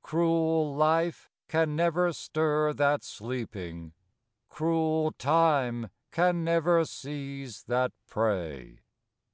Cruel life can never stir that sleeping, Cruel time can never seize that prey.